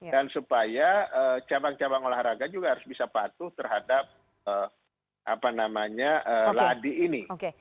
dan supaya cabang cabang olahraga juga harus bisa patuh terhadap apa namanya ladi ini